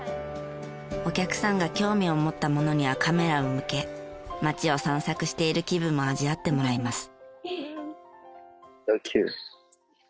お客さんが興味を持ったものにはカメラを向け町を散策している気分も味わってもらいます。